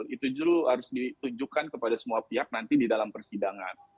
itu justru harus ditunjukkan kepada semua pihak nanti di dalam persidangan